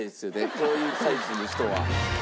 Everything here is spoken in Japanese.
こういうタイプの人は。